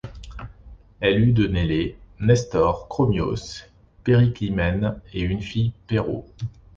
Elle eut de Nélée, Nestor, Chromios, Périclymène et une fille Péro.